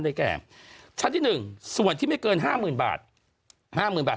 แก่ชั้นที่๑ส่วนที่ไม่เกินห้าหมื่นบาทห้าหมื่นบาท